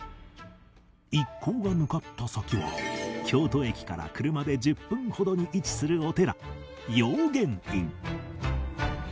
一行が向かった先は京都駅から車で１０分ほどに位置するお寺養源院